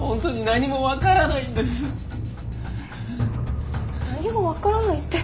何も分からないって。